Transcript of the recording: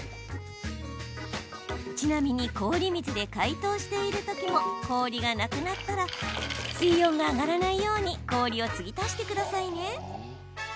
ちなみに氷水で解凍しているときも氷がなくなったら水温が上がらないように氷をつぎ足してくださいね。